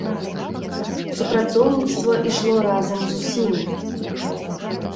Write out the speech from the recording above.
Супрацоўніцтва ішло разам з усімі.